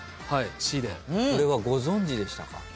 これはご存じでしたか？